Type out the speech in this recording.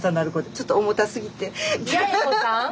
ちょっと重たすぎて。